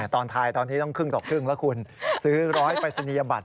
ตอนท้ายตอนนี้ต้องครึ่งต่อครึ่งแล้วคุณซื้อ๑๐๐ปริศนียบัตร